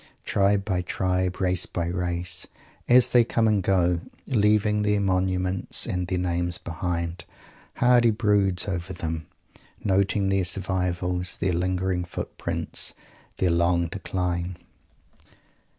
Tribe by tribe, race by race, as they come and go, leaving their monuments and their names behind, Mr. Hardy broods over them, noting their survivals, their lingering footprints, their long decline.